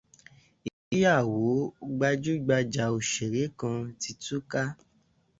Ìgbéyàwó gbajúgbajà òṣèré kan ti túká